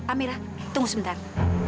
amira tunggu sebentar